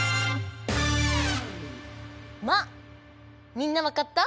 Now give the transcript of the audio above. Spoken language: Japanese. みんなわかった？